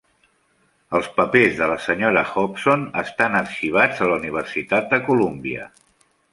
Els papers de la senyora Hobson estan arxivats a la Universitat de Columbia.